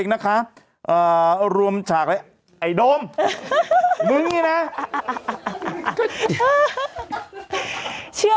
ก็เหมือนจะขิดบอกว่ามันมีซีซัน๒